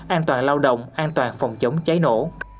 an toàn lao động an toàn phòng chống cháy nổ